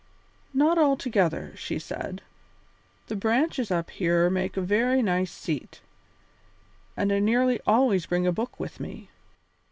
"Not altogether," she said. "The branches up here make a very nice seat, and I nearly always bring a book with me.